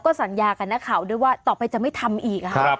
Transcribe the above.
สัญญากับนักข่าวด้วยว่าต่อไปจะไม่ทำอีก